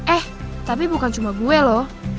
eh tapi bukan cuma gue loh